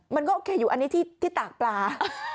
มันก็โอเคอยู่อันนี้ที่ตากปลา